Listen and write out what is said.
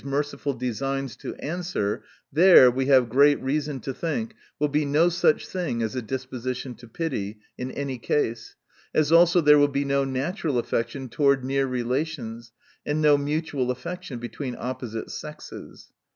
295 merciful designs to answer, there, we have great reason to think, will bt no such thing as a disposition to pity, in any case ; as also there will be ru natural affection toward near relations, and no mutual affection between oppo site sexes.